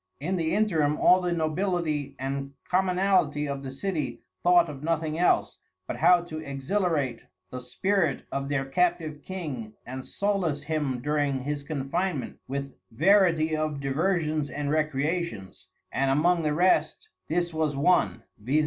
In the interim all the Nobility and Commonality of the City thought of nothing else, but how to exhilarate the Spirit of their Captive King, and solace him during his Confinement with varity of diversions and Recreations; and among the rest this was one, _viz.